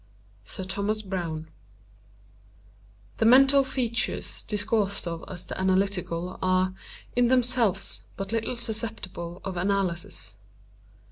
—Sir Thomas Browne. The mental features discoursed of as the analytical, are, in themselves, but little susceptible of analysis.